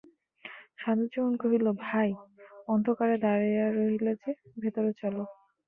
সাধুচরণ কহিল, ভাই, অন্ধকারে দাঁড়াইয়া রহিলে যে, ভিতরে চলো।